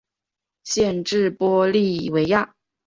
县治玻利维亚。